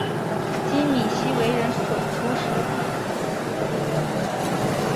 金珉锡为人熟识。